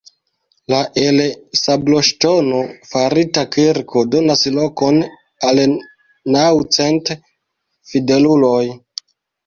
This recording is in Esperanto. La el sabloŝtono farita kirko donas lokon al naŭ cent fideluloj.